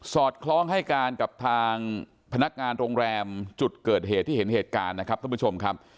อดคล้องให้การกับทางพนักงานโรงแรมจุดเกิดเหตุที่เห็นเหตุการณ์นะครับท่านผู้ชมครับ